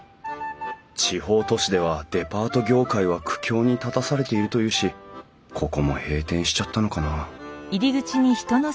地方都市ではデパート業界は苦境に立たされているというしここも閉店しちゃったのかな？